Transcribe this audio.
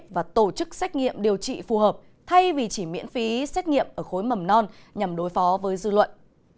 và tổ chức xét nghiệm điều trị phù hợp thay vì chỉ miễn phí xét nghiệm ở khối mầm non nhằm đối phó với dư luận